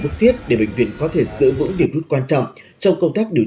quốc thiết để bệnh viện có thể giữ vững điểm rút quan trọng trong công tác điều